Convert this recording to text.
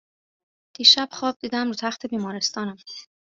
دیشب خواب دیدم رو تخت بیمارستانم